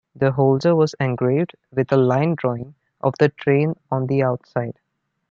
The holder was engraved with a line drawing of the train on the outside.